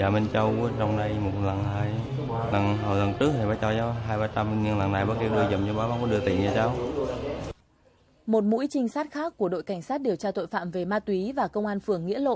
một mũi trinh sát khác của đội cảnh sát điều tra tội phạm về ma túy và công an phường nghĩa lộ